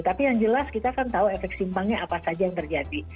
tapi yang jelas kita kan tahu efek simpangnya apa saja yang terjadi